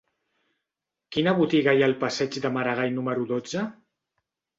Quina botiga hi ha al passeig de Maragall número dotze?